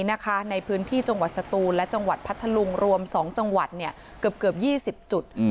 ในพื้นที่จังหวัดสตูนและจังหวัดพัทธลุงรวม๒จังหวัดเกือบ๒๐จุด